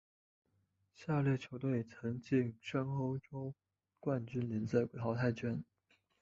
下列球队曾晋身欧洲冠军联赛淘汰圈。